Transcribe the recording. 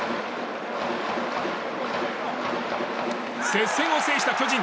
接戦を制した巨人。